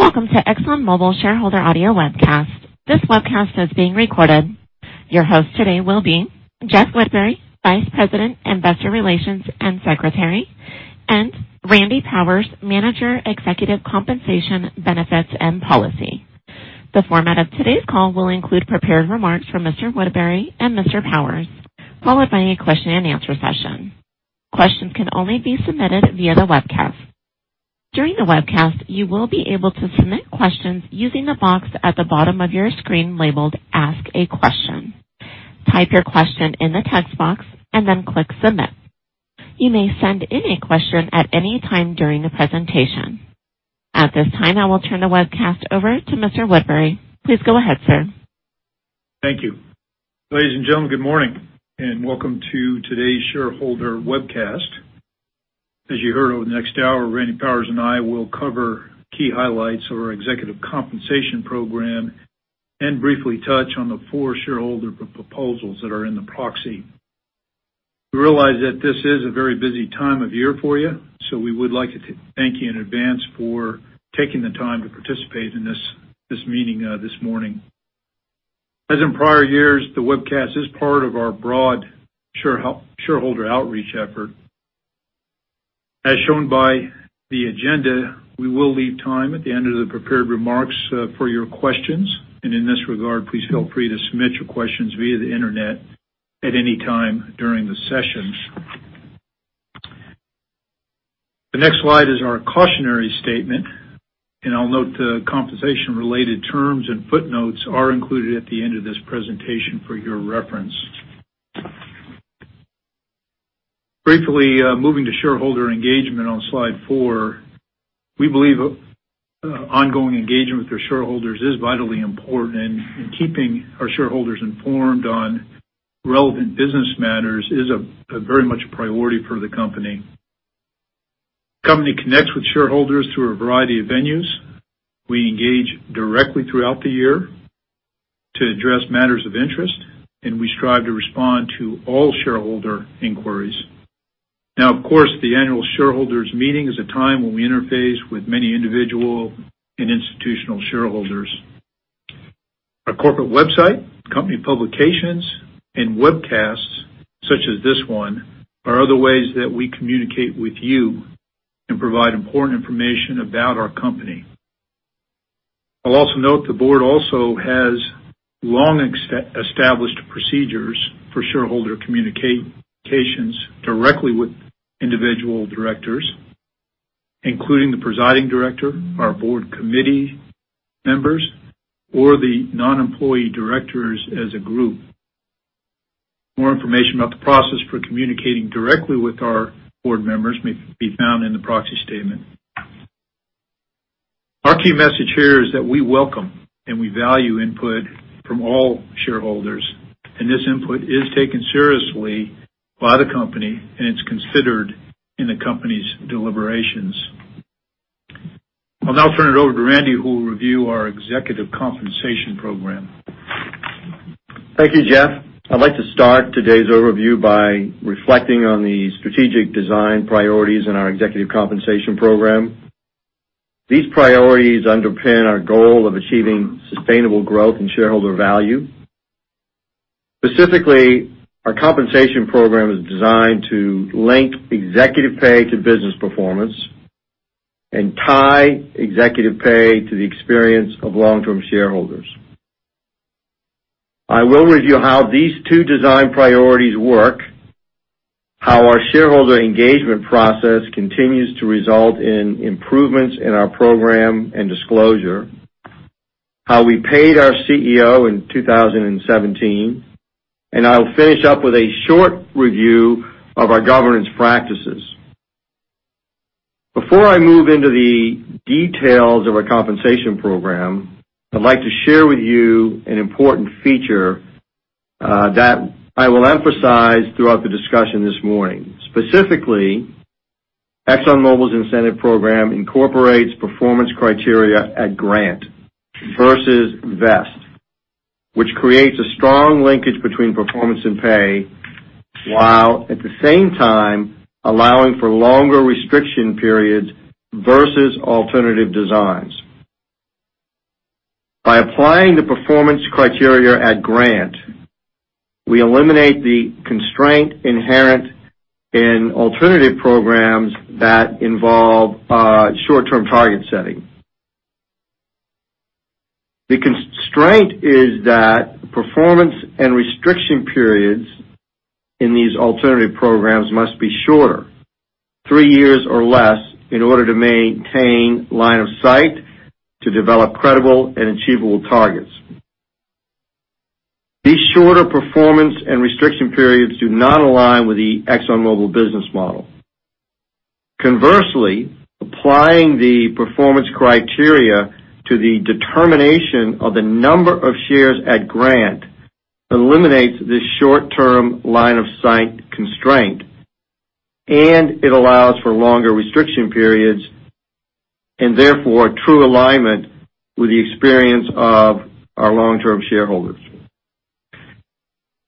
Welcome to ExxonMobil Shareholder Audio Webcast. This webcast is being recorded. Your host today will be Jeff Woodbury, Vice President, Investor Relations and Secretary, and Randy Powers, Manager, Executive Compensation Benefits and Policy. The format of today's call will include prepared remarks from Mr. Woodbury and Mr. Powers, followed by a question and answer session. Questions can only be submitted via the webcast. During the webcast, you will be able to submit questions using the box at the bottom of your screen labeled Ask a Question. Type your question in the text box and then click Submit. You may send in a question at any time during the presentation. At this time, I will turn the webcast over to Mr. Woodbury. Please go ahead, sir. Thank you. Ladies and gentlemen, good morning, and welcome to today's shareholder webcast. As you heard, over the next hour, Randy Powers and I will cover key highlights of our executive compensation program and briefly touch on the four shareholder proposals that are in the proxy. We realize that this is a very busy time of year for you, so we would like to thank you in advance for taking the time to participate in this meeting this morning. As in prior years, the webcast is part of our broad shareholder outreach effort. As shown by the agenda, we will leave time at the end of the prepared remarks for your questions. In this regard, please feel free to submit your questions via the Internet at any time during the session. The next slide is our cautionary statement, and I'll note the compensation-related terms and footnotes are included at the end of this presentation for your reference. Gratefully, moving to shareholder engagement on Slide four, we believe ongoing engagement with our shareholders is vitally important, and keeping our shareholders informed on relevant business matters is very much a priority for the company. The company connects with shareholders through a variety of venues. We engage directly throughout the year to address matters of interest, and we strive to respond to all shareholder inquiries. Of course, the annual shareholders meeting is a time when we interface with many individual and institutional shareholders. Our corporate website, company publications, and webcasts, such as this one, are other ways that we communicate with you and provide important information about our company. I'll also note the board also has long-established procedures for shareholder communications directly with individual directors, including the presiding director, our board committee members, or the non-employee directors as a group. More information about the process for communicating directly with our board members may be found in the proxy statement. Our key message here is that we welcome and we value input from all shareholders, and this input is taken seriously by the company, and it's considered in the company's deliberations. I'll now turn it over to Randy, who will review our executive compensation program. Thank you, Jeff. I'd like to start today's overview by reflecting on the strategic design priorities in our executive compensation program. These priorities underpin our goal of achieving sustainable growth and shareholder value. Specifically, our compensation program is designed to link executive pay to business performance and tie executive pay to the experience of long-term shareholders. I will review how these two design priorities work, how our shareholder engagement process continues to result in improvements in our program and disclosure, how we paid our CEO in 2017, and I'll finish up with a short review of our governance practices. Before I move into the details of our compensation program, I'd like to share with you an important feature that I will emphasize throughout the discussion this morning. Specifically, ExxonMobil's incentive program incorporates performance criteria at grant versus vest, which creates a strong linkage between performance and pay, while at the same time allowing for longer restriction periods versus alternative designs. By applying the performance criteria at grant, we eliminate the constraint inherent in alternative programs that involve short-term target setting. The constraint is that performance and restriction periods in these alternative programs must be shorter, three years or less, in order to maintain line of sight to develop credible and achievable targets. These shorter performance and restriction periods do not align with the ExxonMobil business model. Conversely, applying the performance criteria to the determination of the number of shares at grant eliminates this short-term line of sight constraint, and it allows for longer restriction periods and therefore true alignment with the experience of our long-term shareholders.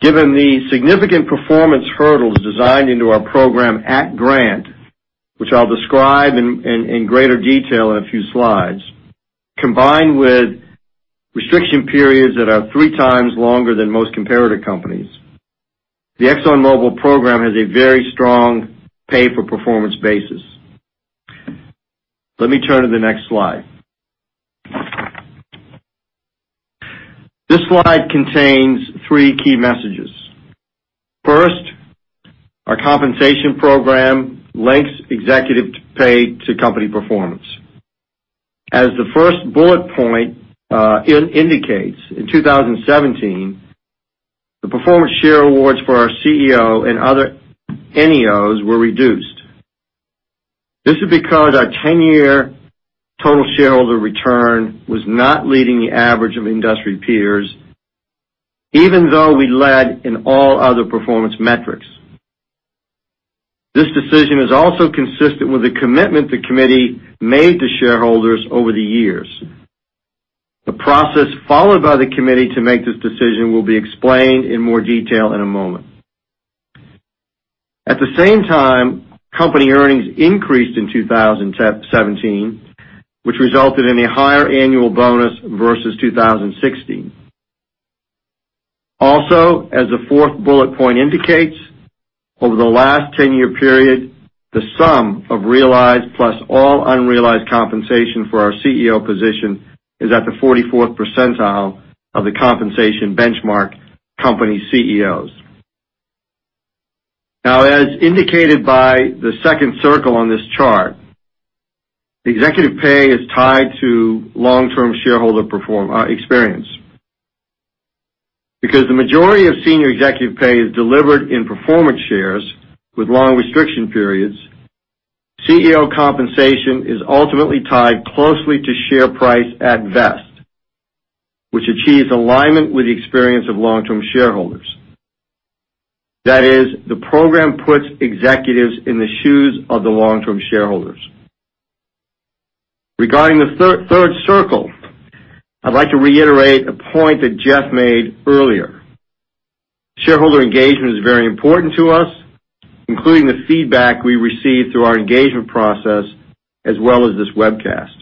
Given the significant performance hurdles designed into our program at grant, which I'll describe in greater detail in a few slides, combined with restriction periods that are three times longer than most comparative companies, the ExxonMobil program has a very strong pay-for-performance basis. Let me turn to the next slide. This slide contains three key messages. First, our compensation program links executive pay to company performance. As the first bullet point indicates, in 2017, the performance share awards for our CEO and other NEOs were reduced. This is because our 10-year total shareholder return was not leading the average of industry peers, even though we led in all other performance metrics. This decision is also consistent with the commitment the committee made to shareholders over the years. The process followed by the committee to make this decision will be explained in more detail in a moment. At the same time, company earnings increased in 2017, which resulted in a higher annual bonus versus 2016. Also, as the fourth bullet point indicates, over the last 10-year period, the sum of realized plus all unrealized compensation for our CEO position is at the 44th percentile of the compensation benchmark company CEOs. Now, as indicated by the second circle on this chart, the executive pay is tied to long-term shareholder experience. Because the majority of senior executive pay is delivered in performance shares with long restriction periods, CEO compensation is ultimately tied closely to share price at vest, which achieves alignment with the experience of long-term shareholders. That is, the program puts executives in the shoes of the long-term shareholders. Regarding the third circle, I'd like to reiterate a point that Jeff made earlier. Shareholder engagement is very important to us, including the feedback we receive through our engagement process as well as this webcast.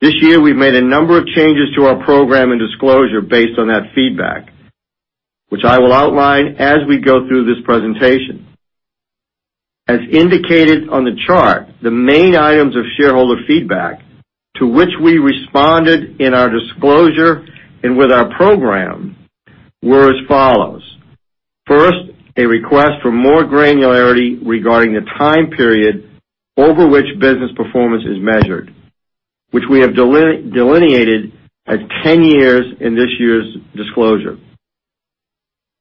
This year, we've made a number of changes to our program and disclosure based on that feedback, which I will outline as we go through this presentation. As indicated on the chart, the main items of shareholder feedback to which we responded in our disclosure and with our program were as follows. First, a request for more granularity regarding the time period over which business performance is measured, which we have delineated as 10 years in this year's disclosure.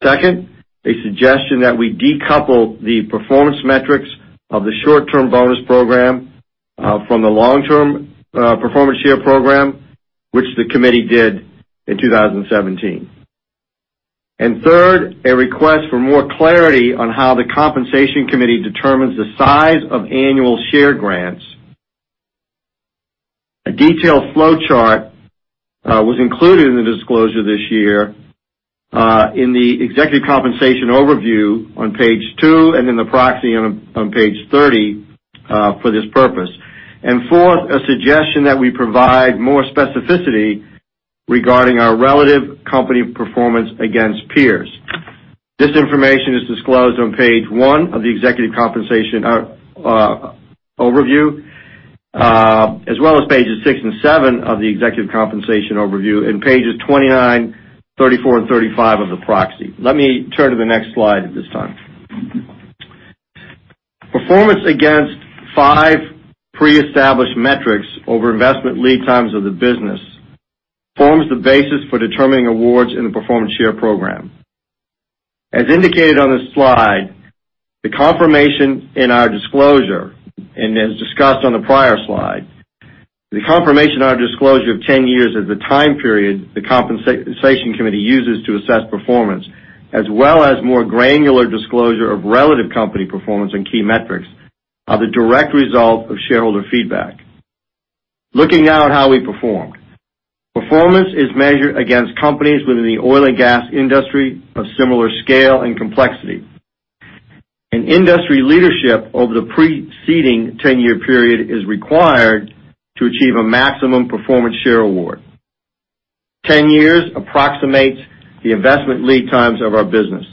Second, a suggestion that we decouple the performance metrics of the short-term bonus program from the long-term performance share program, which the committee did in 2017. Third, a request for more clarity on how the compensation committee determines the size of annual share grants. A detailed flowchart was included in the disclosure this year in the executive compensation overview on page two, and in the proxy on page 30 for this purpose. Fourth, a suggestion that we provide more specificity regarding our relative company performance against peers. This information is disclosed on page one of the executive compensation overview, as well as pages six and seven of the executive compensation overview and pages 29, 34, and 35 of the proxy. Let me turn to the next slide at this time. Performance against five pre-established metrics over investment lead times of the business forms the basis for determining awards in the performance share program. As indicated on this slide, the confirmation in our disclosure, as discussed on the prior slide, the confirmation in our disclosure of 10 years as the time period the compensation committee uses to assess performance, as well as more granular disclosure of relative company performance and key metrics are the direct result of shareholder feedback. Looking now at how we performed. Performance is measured against companies within the oil and gas industry of similar scale and complexity. Industry leadership over the preceding 10-year period is required to achieve a maximum performance share award. 10 years approximates the investment lead times of our business.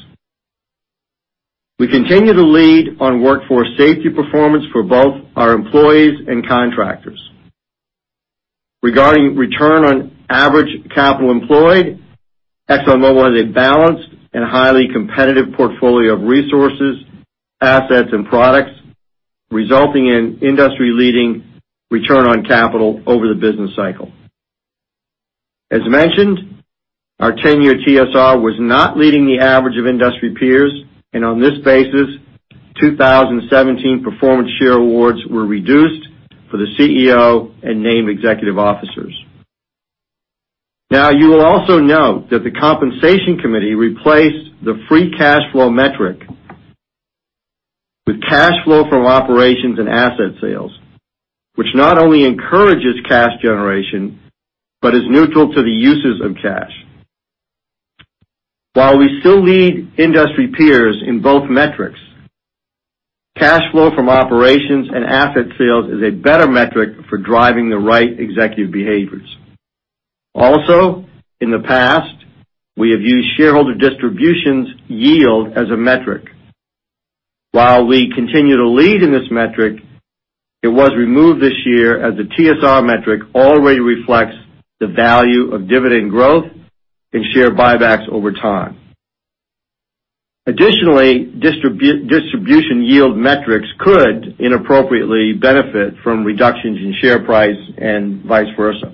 We continue to lead on workforce safety performance for both our employees and contractors. Regarding return on average capital employed, ExxonMobil has a balanced and highly competitive portfolio of resources, assets, and products, resulting in industry-leading return on capital over the business cycle. As mentioned, our 10-year TSR was not leading the average of industry peers, on this basis, 2017 performance share awards were reduced for the CEO and Named Executive Officers. Now, you will also note that the compensation committee replaced the free cash flow metric with cash flow from operations and asset sales, which not only encourages cash generation, but is neutral to the uses of cash. While we still lead industry peers in both metrics, cash flow from operations and asset sales is a better metric for driving the right executive behaviors. Also, in the past, we have used shareholder distributions yield as a metric. While we continue to lead in this metric, it was removed this year as the TSR metric already reflects the value of dividend growth and share buybacks over time. Additionally, distribution yield metrics could inappropriately benefit from reductions in share price and vice versa.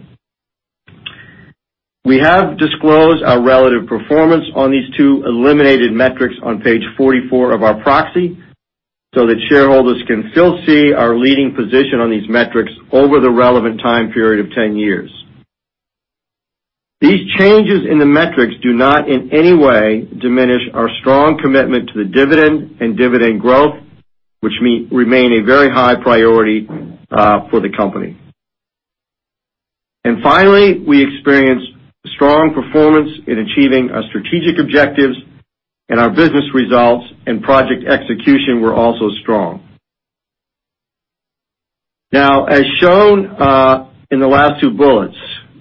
We have disclosed our relative performance on these two eliminated metrics on page 44 of our proxy so that shareholders can still see our leading position on these metrics over the relevant time period of 10 years. These changes in the metrics do not in any way diminish our strong commitment to the dividend and dividend growth, which remain a very high priority for the company. Finally, we experienced strong performance in achieving our strategic objectives, and our business results and project execution were also strong. As shown in the last two bullets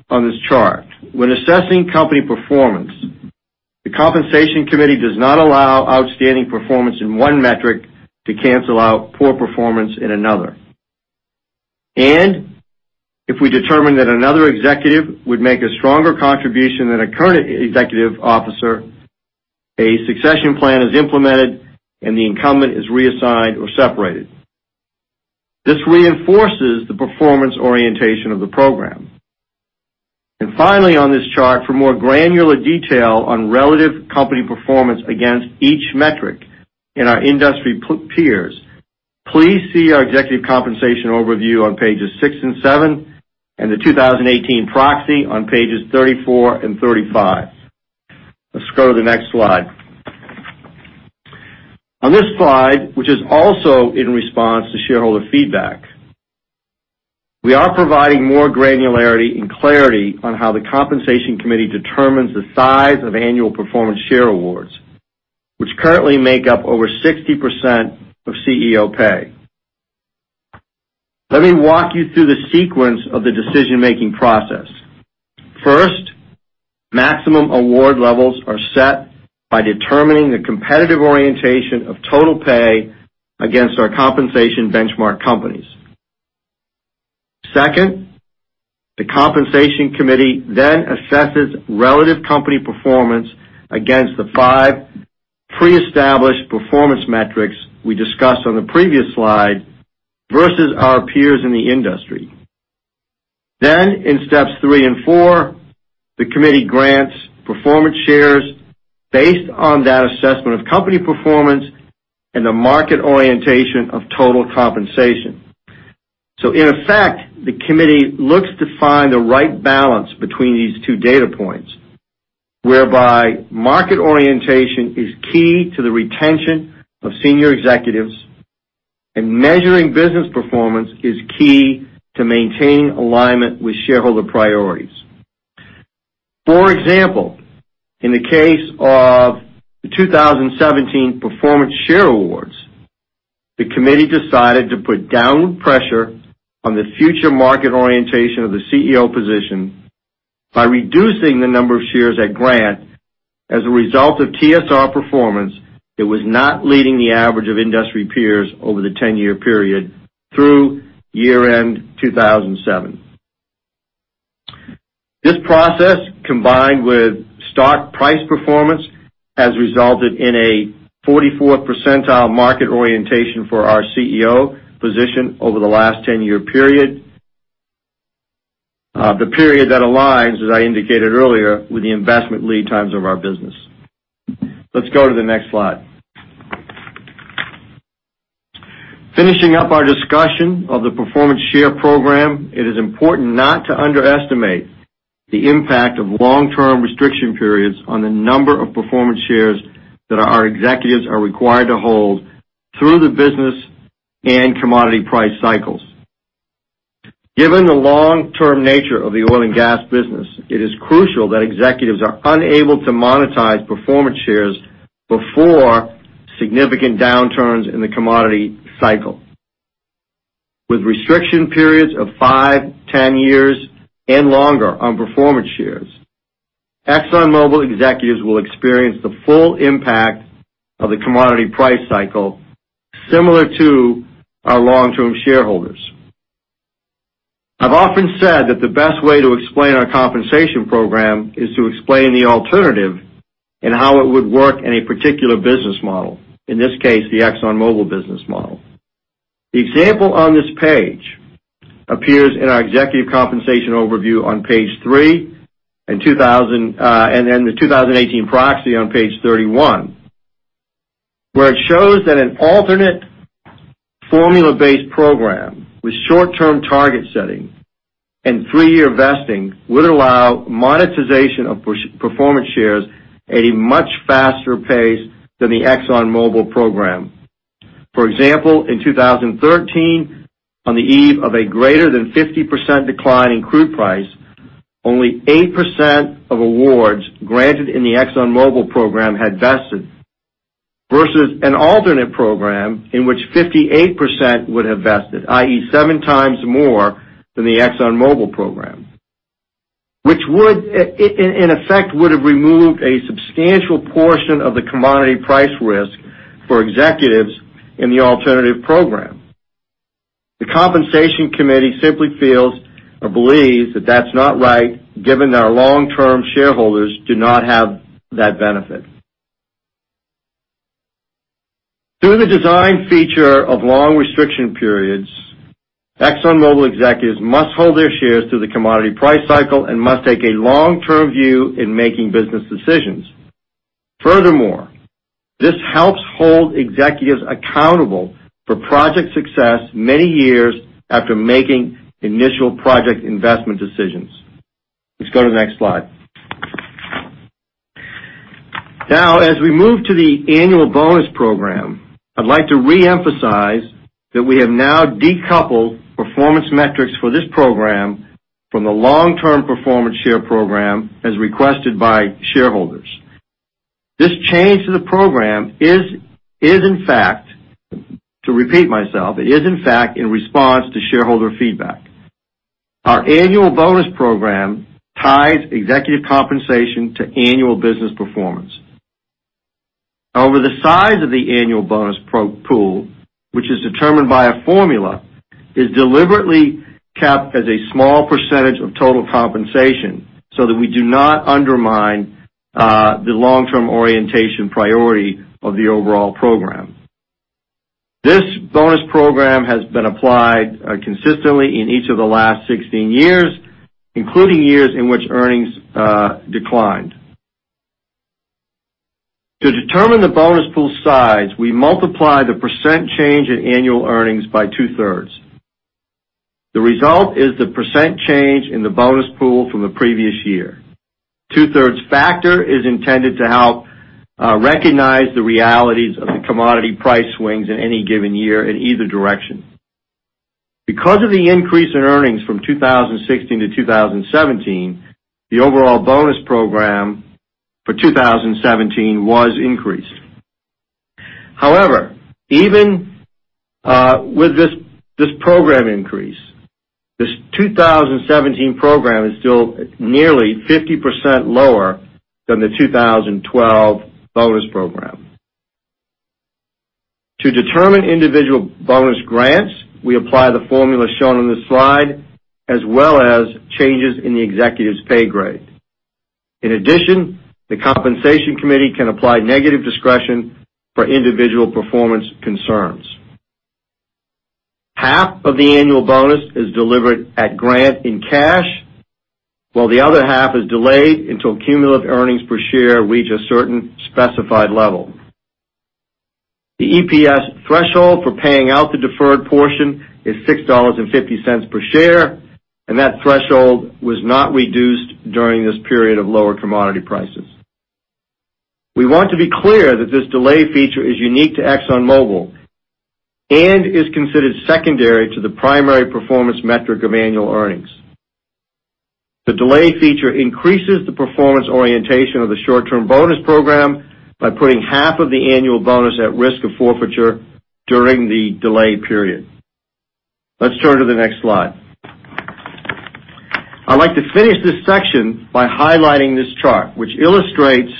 on this chart, when assessing company performance, the compensation committee does not allow outstanding performance in one metric to cancel out poor performance in another. If we determine that another executive would make a stronger contribution than a current executive officer, a succession plan is implemented, and the incumbent is reassigned or separated. This reinforces the performance orientation of the program. Finally, on this chart, for more granular detail on relative company performance against each metric in our industry peers, please see our executive compensation overview on pages six and seven and the 2018 proxy on pages 34 and 35. Let's go to the next slide. On this slide, which is also in response to shareholder feedback, we are providing more granularity and clarity on how the compensation committee determines the size of annual performance share awards, which currently make up over 60% of CEO pay. Let me walk you through the sequence of the decision-making process. First, maximum award levels are set by determining the competitive orientation of total pay against our compensation benchmark companies. Second, the compensation committee assesses relative company performance against the five pre-established performance metrics we discussed on the previous slide versus our peers in the industry. In steps three and four, the committee grants performance shares based on that assessment of company performance and the market orientation of total compensation. In effect, the committee looks to find the right balance between these two data points, whereby market orientation is key to the retention of senior executives and measuring business performance is key to maintain alignment with shareholder priorities. For example, in the case of the 2017 performance share awards, the committee decided to put downward pressure on the future market orientation of the CEO position by reducing the number of shares at grant as a result of TSR performance that was not leading the average of industry peers over the 10-year period through year-end 2007. This process, combined with stock price performance, has resulted in a 44th percentile market orientation for our CEO position over the last 10-year period. The period that aligns, as I indicated earlier, with the investment lead times of our business. Let's go to the next slide. Finishing up our discussion of the performance share program, it is important not to underestimate the impact of long-term restriction periods on the number of performance shares that our executives are required to hold through the business and commodity price cycles. Given the long-term nature of the oil and gas business, it is crucial that executives are unable to monetize performance shares before significant downturns in the commodity cycle. With restriction periods of five, 10 years and longer on performance shares, ExxonMobil executives will experience the full impact of the commodity price cycle similar to our long-term shareholders. I've often said that the best way to explain our compensation program is to explain the alternative and how it would work in a particular business model, in this case, the ExxonMobil business model. The example on this page appears in our executive compensation overview on page three and then the 2018 proxy on page 31, where it shows that an alternate formula-based program with short-term target setting and three-year vesting would allow monetization of performance shares at a much faster pace than the ExxonMobil program. For example, in 2013, on the eve of a greater than 50% decline in crude price, only 8% of awards granted in the ExxonMobil program had vested, versus an alternate program in which 58% would have vested, i.e., seven times more than the ExxonMobil program, which in effect, would have removed a substantial portion of the commodity price risk for executives in the alternative program. The compensation committee simply feels or believes that that's not right, given that our long-term shareholders do not have that benefit. Through the design feature of long restriction periods, ExxonMobil executives must hold their shares through the commodity price cycle and must take a long-term view in making business decisions. Furthermore, this helps hold executives accountable for project success many years after making initial project investment decisions. Let's go to the next slide. As we move to the annual bonus program, I'd like to reemphasize that we have now decoupled performance metrics for this program from the long-term performance share program as requested by shareholders. This change to the program is, in fact, to repeat myself, in response to shareholder feedback. Our annual bonus program ties executive compensation to annual business performance. The size of the annual bonus pool, which is determined by a formula, is deliberately capped as a small percentage of total compensation so that we do not undermine the long-term orientation priority of the overall program. This bonus program has been applied consistently in each of the last 16 years, including years in which earnings declined. To determine the bonus pool size, we multiply the percent change in annual earnings by two-thirds. The result is the percent change in the bonus pool from the previous year. Two-thirds factor is intended to help recognize the realities of the commodity price swings in any given year in either direction. Because of the increase in earnings from 2016 to 2017, the overall bonus program for 2017 was increased. Even with this program increase, this 2017 program is still nearly 50% lower than the 2012 bonus program. To determine individual bonus grants, we apply the formula shown on this slide, as well as changes in the executive's pay grade. In addition, the compensation committee can apply negative discretion for individual performance concerns. Half of the annual bonus is delivered at grant in cash, while the other half is delayed until cumulative earnings per share reach a certain specified level. The EPS threshold for paying out the deferred portion is $6.50 per share, and that threshold was not reduced during this period of lower commodity prices. We want to be clear that this delay feature is unique to ExxonMobil and is considered secondary to the primary performance metric of annual earnings. The delay feature increases the performance orientation of the short-term bonus program by putting half of the annual bonus at risk of forfeiture during the delay period. Let's turn to the next slide. I'd like to finish this section by highlighting this chart, which illustrates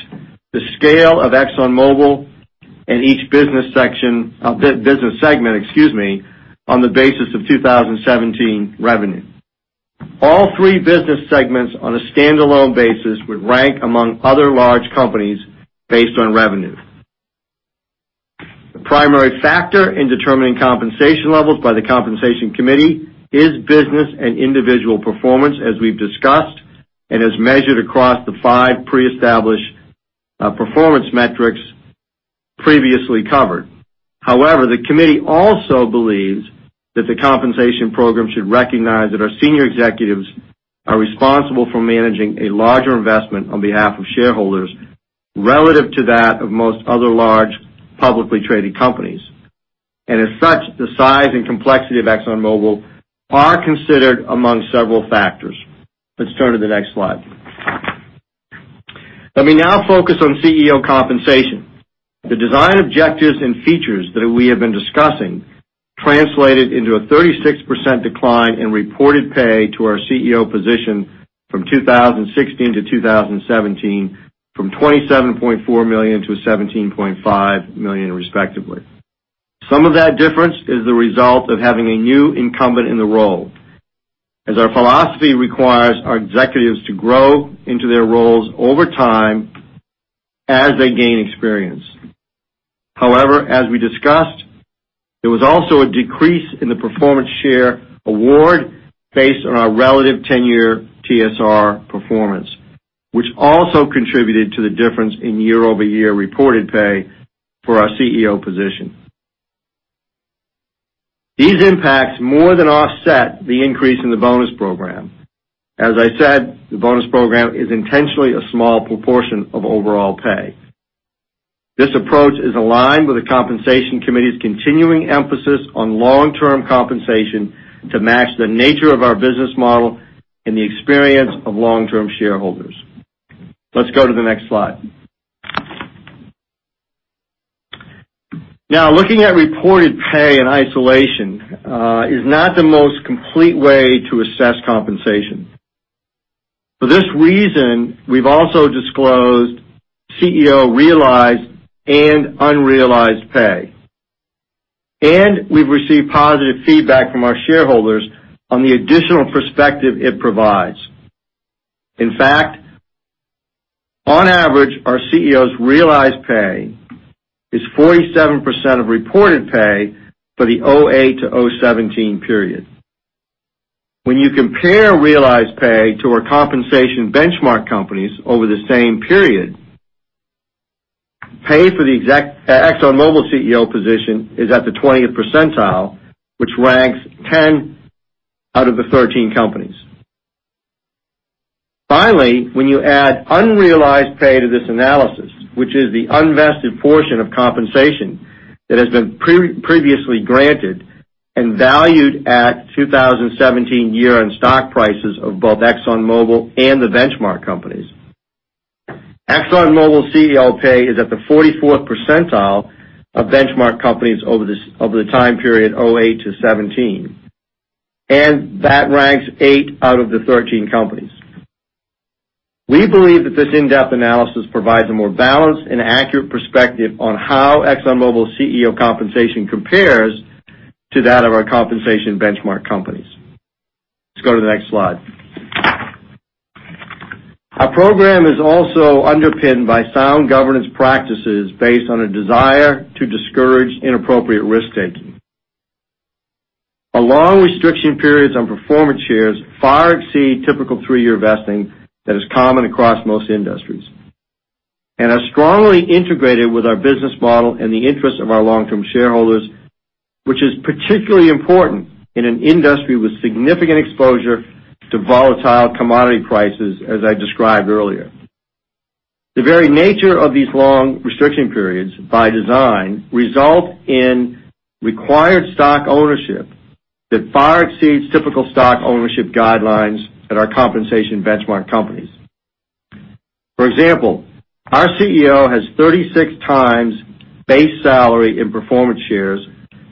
the scale of ExxonMobil in each business segment on the basis of 2017 revenue. All three business segments on a standalone basis would rank among other large companies based on revenue. The primary factor in determining compensation levels by the compensation committee is business and individual performance, as we've discussed, and is measured across the five pre-established performance metrics previously covered. However, the committee also believes that the compensation program should recognize that our senior executives are responsible for managing a larger investment on behalf of shareholders relative to that of most other large publicly traded companies. As such, the size and complexity of ExxonMobil are considered among several factors. Let's turn to the next slide. Let me now focus on CEO compensation. The design objectives and features that we have been discussing translated into a 36% decline in reported pay to our CEO position from 2016 to 2017, from $27.4 million to $17.5 million, respectively. Some of that difference is the result of having a new incumbent in the role, as our philosophy requires our executives to grow into their roles over time as they gain experience. However, as we discussed, there was also a decrease in the performance share award based on our relative 10-year TSR performance. Which also contributed to the difference in year-over-year reported pay for our CEO position. These impacts more than offset the increase in the bonus program. As I said, the bonus program is intentionally a small proportion of overall pay. This approach is aligned with the compensation committee's continuing emphasis on long-term compensation to match the nature of our business model and the experience of long-term shareholders. Let's go to the next slide. Now, looking at reported pay in isolation is not the most complete way to assess compensation. For this reason, we've also disclosed CEO realized and unrealized pay. We've received positive feedback from our shareholders on the additional perspective it provides. In fact, on average, our CEO's realized pay is 47% of reported pay for the 2008 to 2017 period. When you compare realized pay to our compensation benchmark companies over the same period, pay for the Exxon Mobil CEO position is at the 20th percentile, which ranks 10 out of the 13 companies. Finally, when you add unrealized pay to this analysis, which is the unvested portion of compensation that has been previously granted and valued at year-end 2017 stock prices of both Exxon Mobil and the benchmark companies, Exxon Mobil CEO pay is at the 44th percentile of benchmark companies over the time period 2008 to 2017, that ranks eight out of the 13 companies. We believe that this in-depth analysis provides a more balanced and accurate perspective on how Exxon Mobil's CEO compensation compares to that of our compensation benchmark companies. Let's go to the next slide. Our program is also underpinned by sound governance practices based on a desire to discourage inappropriate risk-taking. Our long restriction periods on performance shares far exceed typical three-year vesting that is common across most industries and are strongly integrated with our business model and the interest of our long-term shareholders, which is particularly important in an industry with significant exposure to volatile commodity prices, as I described earlier. The very nature of these long restriction periods by design result in required stock ownership that far exceeds typical stock ownership guidelines at our compensation benchmark companies. For example, our CEO has 36 times base salary in performance shares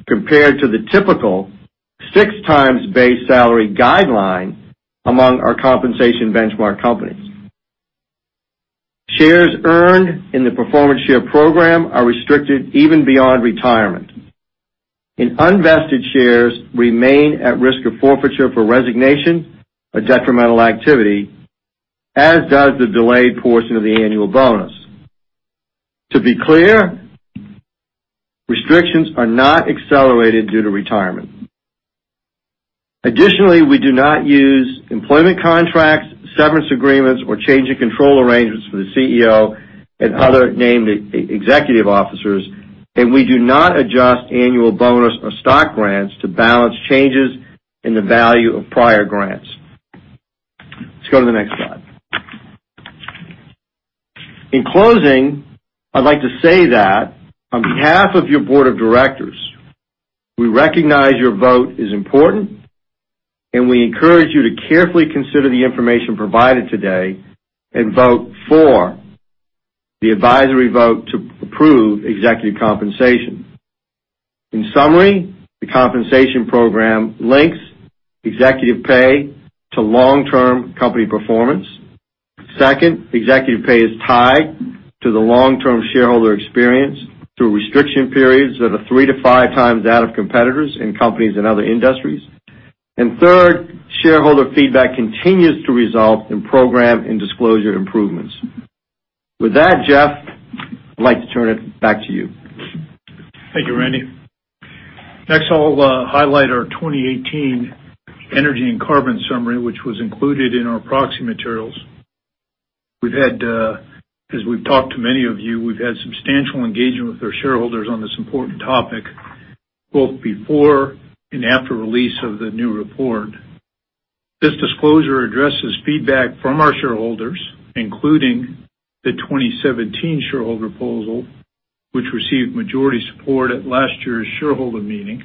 compared to the typical six times base salary guideline among our compensation benchmark companies. Shares earned in the performance share program are restricted even beyond retirement, unvested shares remain at risk of forfeiture for resignation or detrimental activity, as does the delayed portion of the annual bonus. To be clear, restrictions are not accelerated due to retirement. Additionally, we do not use employment contracts, severance agreements, or change in control arrangements for the CEO and other Named Executive Officers, we do not adjust annual bonus or stock grants to balance changes in the value of prior grants. Let's go to the next slide. In closing, I'd like to say that on behalf of your board of directors, we recognize your vote is important, we encourage you to carefully consider the information provided today and vote for the advisory vote to approve executive compensation. In summary, the compensation program links executive pay to long-term company performance. Second, executive pay is tied to the long-term shareholder experience through restriction periods that are three to five times that of competitors and companies in other industries. Third, shareholder feedback continues to result in program and disclosure improvements. With that, Jeff, I'd like to turn it back to you. Thank you, Randy. Next, I'll highlight our 2018 energy and carbon summary, which was included in our proxy materials. As we've talked to many of you, we've had substantial engagement with our shareholders on this important topic, both before and after release of the new report. This disclosure addresses feedback from our shareholders, including the 2017 shareholder proposal, which received majority support at last year's shareholder meeting,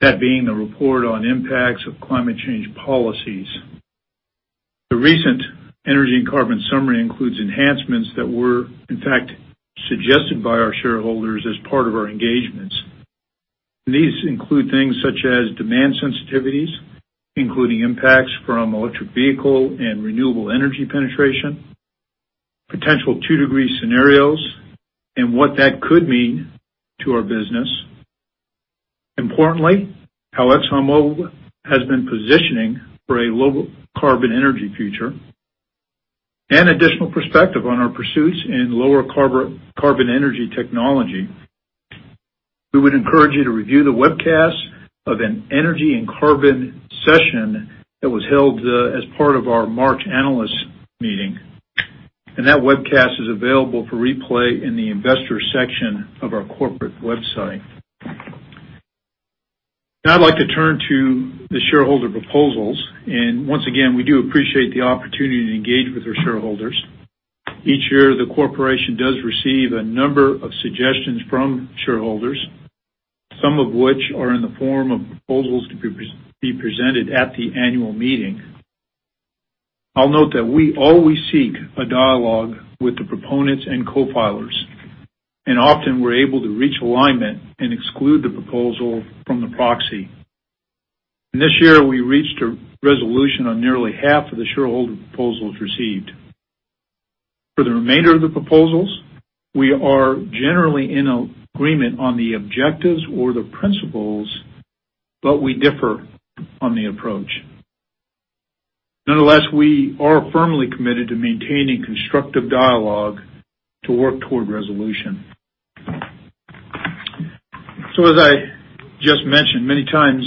that being the report on impacts of climate change policies. The recent energy and carbon summary includes enhancements that were, in fact, suggested by our shareholders as part of our engagements. These include things such as demand sensitivities, including impacts from electric vehicle and renewable energy penetration, potential two-degree scenarios, what that could mean to our business. Importantly, how ExxonMobil has been positioning for a low-carbon energy future additional perspective on our pursuits in lower carbon energy technology. We would encourage you to review the webcast of an energy and carbon session that was held as part of our March analyst meeting, and that webcast is available for replay in the investor section of our corporate website. Now I'd like to turn to the shareholder proposals, and once again, we do appreciate the opportunity to engage with our shareholders. Each year, the corporation does receive a number of suggestions from shareholders, some of which are in the form of proposals to be presented at the annual meeting. I'll note that we always seek a dialogue with the proponents and co-filers, and often we're able to reach alignment and exclude the proposal from the proxy. This year, we reached a resolution on nearly half of the shareholder proposals received. For the remainder of the proposals, we are generally in agreement on the objectives or the principles, but we differ on the approach. Nonetheless, we are firmly committed to maintaining constructive dialogue to work toward resolution. As I just mentioned, many times,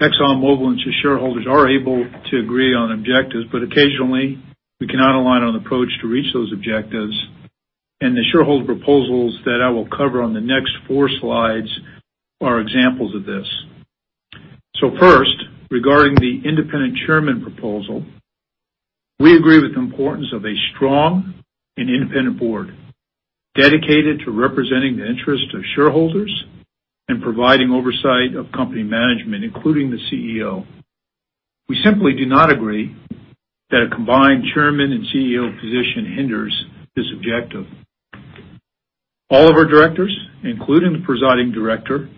ExxonMobil and its shareholders are able to agree on objectives, but occasionally we cannot align on approach to reach those objectives, and the shareholder proposals that I will cover on the next four slides are examples of this. First, regarding the independent chairman proposal, we agree with the importance of a strong and independent board dedicated to representing the interests of shareholders and providing oversight of company management, including the CEO. We simply do not agree that a combined chairman and CEO position hinders this objective. All of our directors, including the presiding director,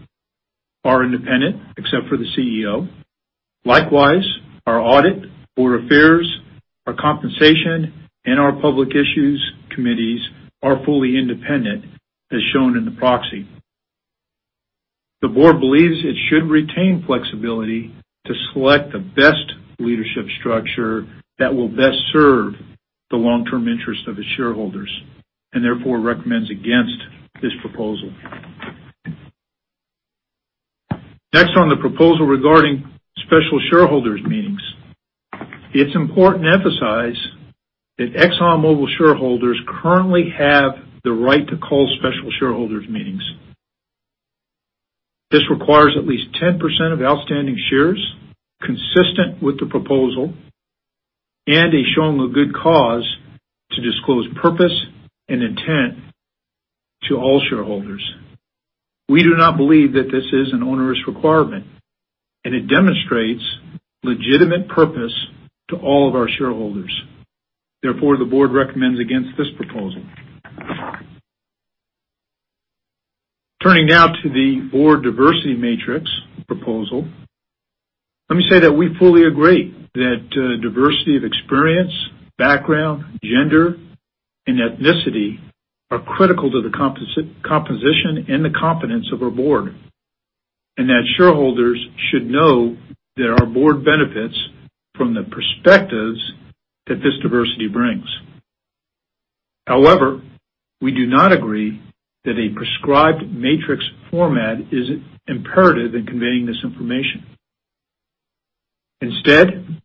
are independent except for the CEO. Likewise, our Audit, Board Affairs, our Compensation, and our Public Issues Committee are fully independent, as shown in the proxy. The board believes it should retain flexibility to select the best leadership structure that will best serve the long-term interest of its shareholders and therefore recommends against this proposal. Next, on the proposal regarding special shareholders meetings. It's important to emphasize that ExxonMobil shareholders currently have the right to call special shareholders meetings. This requires at least 10% of outstanding shares consistent with the proposal and a showing of good cause to disclose purpose and intent to all shareholders. We do not believe that this is an onerous requirement, and it demonstrates legitimate purpose to all of our shareholders. Therefore, the board recommends against this proposal. Turning now to the board diversity matrix proposal. Let me say that we fully agree that diversity of experience, background, gender, and ethnicity are critical to the composition and the competence of our board, and that shareholders should know that our board benefits from the perspectives that this diversity brings. However, we do not agree that a prescribed matrix format is imperative in conveying this information. Instead,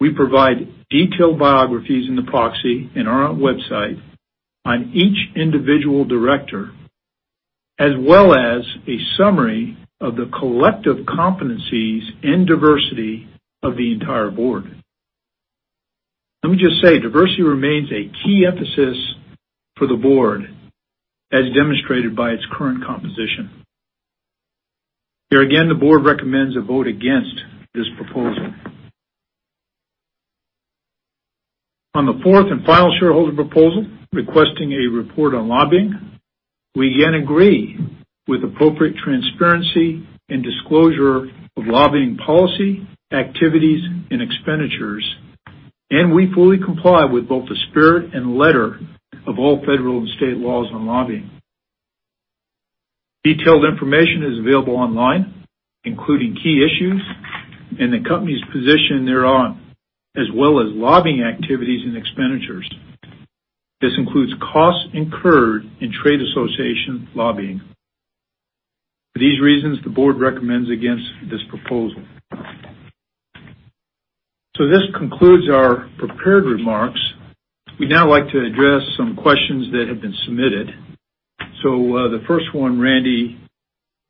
we provide detailed biographies in the proxy and on our website on each individual director, as well as a summary of the collective competencies and diversity of the entire board. Let me just say, diversity remains a key emphasis for the board, as demonstrated by its current composition. Here again, the board recommends a vote against this proposal. On the fourth and final shareholder proposal, requesting a report on lobbying, we again agree with appropriate transparency and disclosure of lobbying policy, activities, and expenditures, and we fully comply with both the spirit and letter of all federal and state laws on lobbying. Detailed information is available online, including key issues and the company's position thereon, as well as lobbying activities and expenditures. This includes costs incurred in trade association lobbying. For these reasons, the board recommends against this proposal. This concludes our prepared remarks. We'd now like to address some questions that have been submitted. The first one, Randy,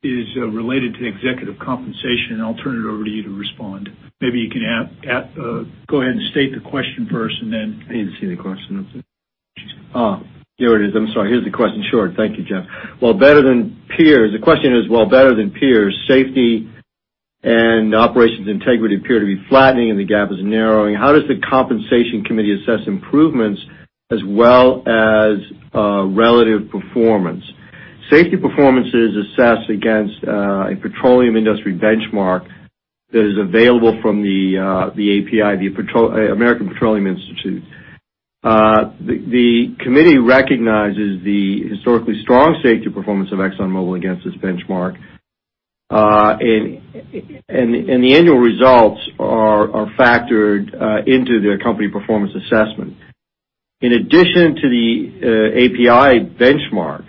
is related to executive compensation. I'll turn it over to you to respond. Maybe you can go ahead and state the question first. I didn't see the question up there. Oh, here it is. I'm sorry. Here's the question. Sure. Thank you, Jeff. The question is, while better than peers, safety and operations integrity appear to be flattening and the gap is narrowing. How does the compensation committee assess improvements as well as relative performance? Safety performance is assessed against a petroleum industry benchmark that is available from the API, the American Petroleum Institute. The committee recognizes the historically strong safety performance of ExxonMobil against this benchmark, and the annual results are factored into their company performance assessment. In addition to the API benchmark,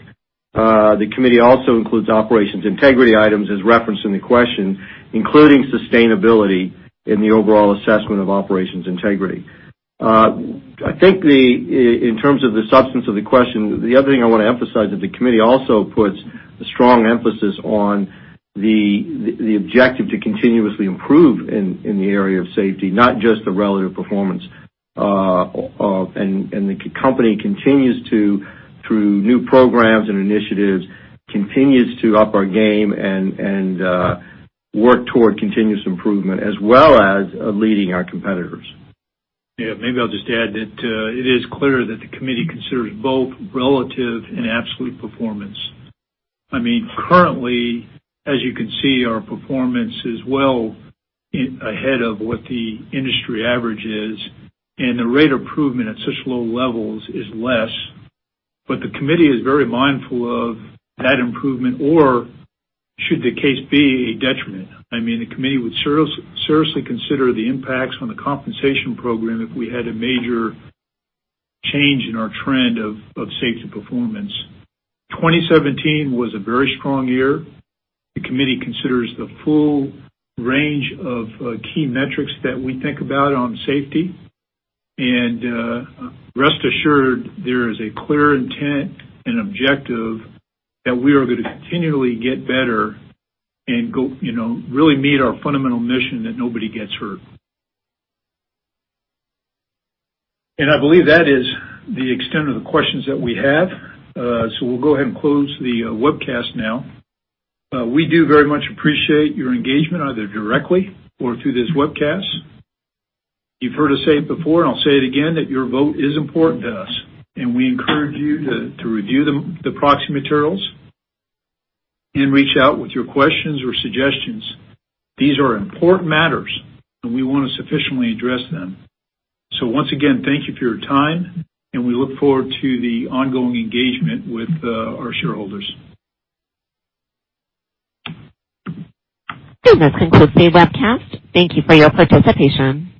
the committee also includes operations integrity items as referenced in the question, including sustainability in the overall assessment of operations integrity. I think in terms of the substance of the question, the other thing I want to emphasize that the committee also puts a strong emphasis on the objective to continuously improve in the area of safety, not just the relative performance. The company, through new programs and initiatives, continues to up our game and work toward continuous improvement, as well as leading our competitors. Yeah. Maybe I'll just add that it is clear that the committee considers both relative and absolute performance. Currently, as you can see, our performance is well ahead of what the industry average is, and the rate of improvement at such low levels is less. The committee is very mindful of that improvement or, should the case be, a detriment. The committee would seriously consider the impacts on the compensation program if we had a major change in our trend of safety performance. 2017 was a very strong year. The committee considers the full range of key metrics that we think about on safety. Rest assured, there is a clear intent and objective that we are going to continually get better and really meet our fundamental mission that nobody gets hurt. I believe that is the extent of the questions that we have. We'll go ahead and close the webcast now. We do very much appreciate your engagement, either directly or through this webcast. You've heard us say it before, and I'll say it again, that your vote is important to us, and we encourage you to review the proxy materials and reach out with your questions or suggestions. These are important matters, and we want to sufficiently address them. Once again, thank you for your time, and we look forward to the ongoing engagement with our shareholders. This concludes the webcast. Thank you for your participation.